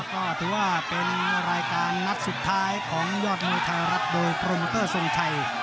ก็ถือว่าเป็นรายการนัดสุดท้ายของยอดมวยไทยรัฐโดยโปรโมเตอร์ทรงชัย